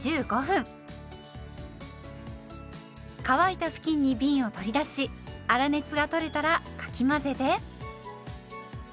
乾いた布巾にびんを取り出し粗熱がとれたらかき混ぜて。